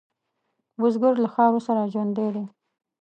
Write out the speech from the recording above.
بزګر له خاورو سره ژوندی دی